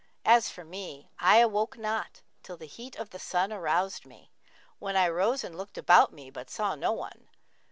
As for me I awoke not till the heat of the sun aroused me, when I rose and looked about me, but saw no one.